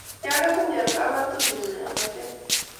Kiakesen chepkametinyuu eng batet